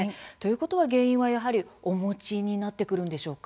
原因はやはりお餅になってくるんでしょうか？